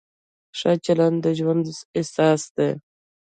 ښه چلند د ژوند اساس دی.